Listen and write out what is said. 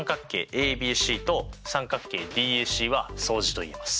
ＡＢＣと三角形ＤＡＣは相似といえます。